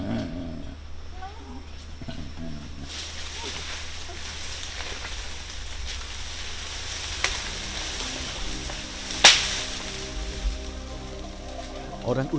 ini adalah tempat yang sangat nyaman untuk orangutan